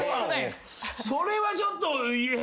それはちょっとえ！？